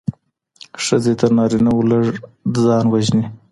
ښځي تر نارينه وو لږ ځان وژني.